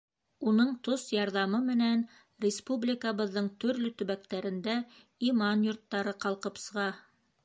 Уның тос ярҙамы менән республикабыҙҙың төрлө төбәктәрендә иман йорттары ҡалҡып сыға.